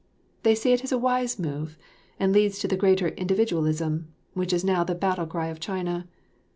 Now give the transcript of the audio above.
They say it is a most wise move and leads to the greater individualism, which is now the battle cry of China.